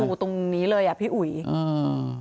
เอาไปตู่ตรงนี้เลยอ่ะพี่อุ๋ยอืม